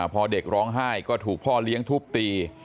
พอเด็กร้องไห้ก็ถูกพ่อเลี้ยงทุบตี